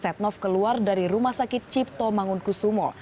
setia novanto dari rumah sakit cipto mangunkusumo